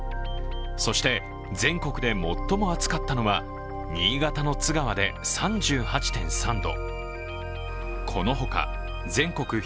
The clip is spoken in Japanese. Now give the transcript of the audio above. そして、全国で最も暑かったのは新潟の津川で３８．３度。